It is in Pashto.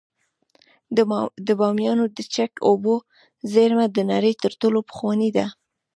د بامیانو د چک اوبو زیرمه د نړۍ تر ټولو پخوانۍ ده